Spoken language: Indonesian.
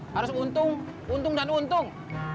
harus untung untung dan untung